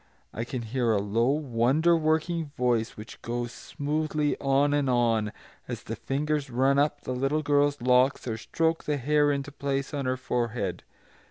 I can hear a low, wonder working voice which goes smoothly on and on, as the fingers run up the little girl's locks or stroke the hair into place on her forehead.